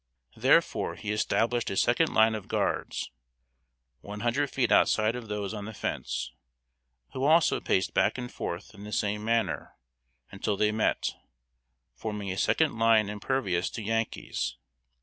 Therefore he established a second line of guards, one hundred feet outside of those on the fence, who also paced back and forth in the same manner until they met, forming a second line impervious to Yankees.